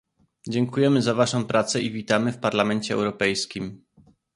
Dziękujemy za waszą pracę i witamy w Parlamencie Europejskim